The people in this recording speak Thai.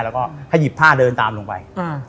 แล้วก็ให้หยิบผ้าเดินตามลงไป